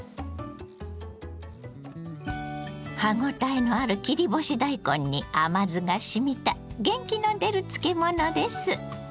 歯ごたえのある切り干し大根に甘酢がしみた元気の出る漬物です。